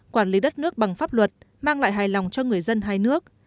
quản lý đất nước bằng pháp luật mang lại hài lòng cho người dân hai nước